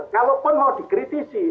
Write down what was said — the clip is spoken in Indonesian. kalaupun mau dikritisi